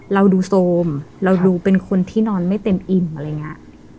เราดูโซมเราดูเป็นคนที่นอนไม่เต็มอิ่มอะไรอย่างนี้